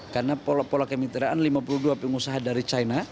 karena pola kemitraan lima puluh dua pengusaha dari china